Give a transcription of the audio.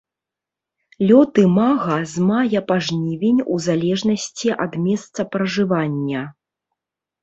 Лёт імага з мая па жнівень у залежнасці ад месцапражывання.